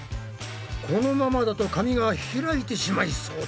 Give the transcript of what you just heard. このままだと紙が開いてしまいそうだ。